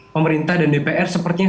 pemerintah dan dpr sepertinya